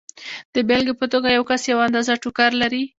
د بېلګې په توګه یو کس یوه اندازه ټوکر لري